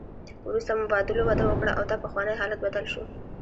وروسته مبادلو وده وکړه او دا پخوانی حالت بدل شو